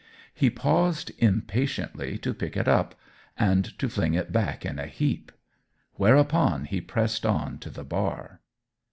He paused impatiently to pick it up, and to fling it back in a heap: whereupon he pressed on to the bar.